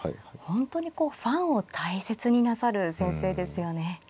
本当にこうファンを大切になさる先生ですよね。